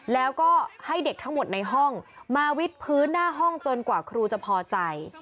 แล้วก็ให้เด็กทั้งหมดในห้องมาวิดพื้นหน้าห้องจนกว่าครูจะพอใจ